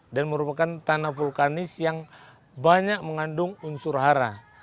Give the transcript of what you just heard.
merupakan tanah vulkanis yang banyak mengandung unsur hara